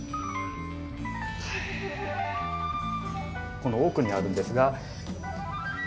この奥にあるんですが。